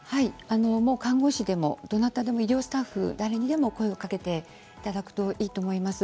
看護師でも、どなたでも医療スタッフに誰にでも声をかけてもらえればいいと思います。